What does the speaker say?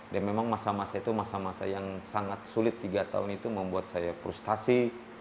dan memang masa masa itu masa masa yang sangat sulit tiga tahun itu membuat saya frustasi